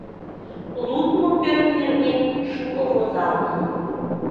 Лудмо пӧрт нерген шуко возалтын.